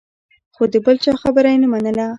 خو د بل چا خبره یې نه منله.